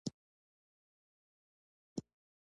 وړکیه ناظره ته یې کړی شې.